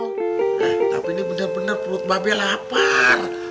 eh tapi ini bener bener perut bape lapar